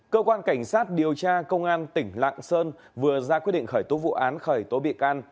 cơ quan cảnh sát điều tra công an tỉnh lạng sơn vừa ra quyết định khởi tố vụ án khởi tố bị can